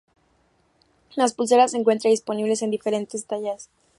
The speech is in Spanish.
Las pulseras se encuentran disponibles en diferentes tallas.